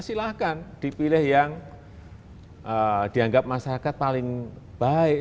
silahkan dipilih yang dianggap masyarakat paling baik